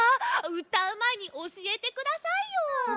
うたうまえにおしえてくださいよ！